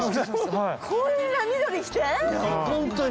「こんな緑着て？」